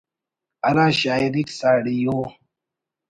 ہرا شاعریک ساڑی ءُ